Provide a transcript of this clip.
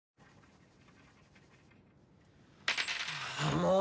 もう！